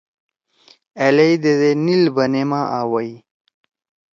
ألیئی دیدے نیِل بنے ما آ ویی